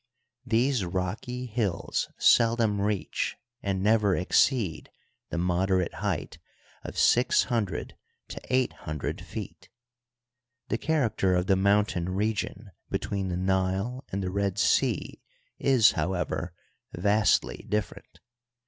These rocky hills seldom reach and never exceed the moderate height of six hundred to eight hundred feet. The character of the mountain region between the Nile and the Red Sea is, however, vastly different.